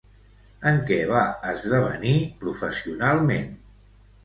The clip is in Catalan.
En què va esdevenir professionalment?